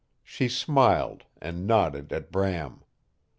She smiled, and nodded at Bram.